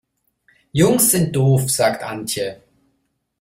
Jungs sind doof, sagt Antje.